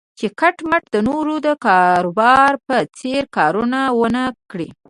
چې کټ مټ د نورو د کاروبار په څېر کارونه و نه کړي.